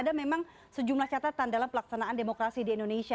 ada memang sejumlah catatan dalam pelaksanaan demokrasi di indonesia